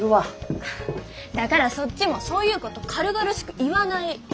だからそっちもそういうこと軽々しく言わない。